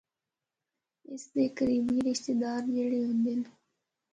اس دے قریبی رشتہ دار جِڑے ہوندے ہن۔